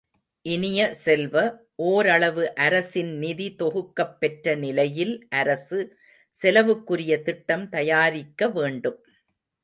இனிய செல்வ, ஓரளவு அரசின் நிதி தொகுக்கப் பெற்ற நிலையில் அரசு, செலவுக்குரிய திட்டம் தயாரிக்க வேண்டும்.